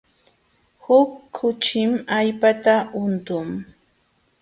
Huk kuchim allpata untun.